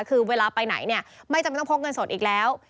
คือเวลาไปไหนเนี่ยไม่จำเป็นต้องพกเงินสดอีกแล้ว